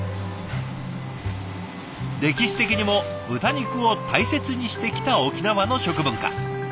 歴史的にも豚肉を大切にしてきた沖縄の食文化。